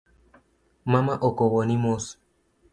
Mama okowoni mos.